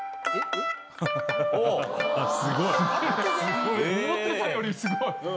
すごい！思ってたよりすごい！